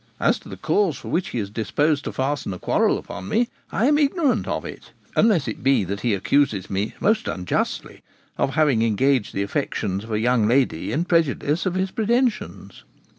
As to the cause for which he is disposed to fasten a quarrel upon me, I am ignorant of it, unless it be that he accuses me, most unjustly, of having engaged the affections of a young lady in prejudice of his pretensions.'